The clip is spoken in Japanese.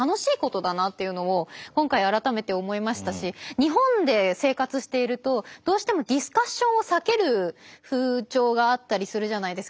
日本で生活しているとどうしてもディスカッションを避ける風潮があったりするじゃないですか。